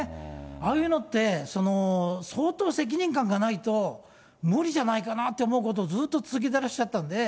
ああいうのって、相当責任感がないと無理じゃないかなって思うことをずっと続けてらっしゃったんで。